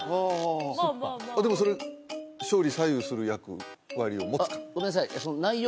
でもそれ勝利左右する役割を持つか？